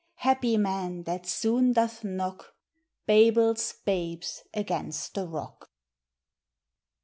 Happie man that soon doth knocke, Babel's babes against the rocke.